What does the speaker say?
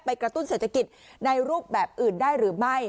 กระตุ้นเศรษฐกิจในรูปแบบอื่นได้หรือไม่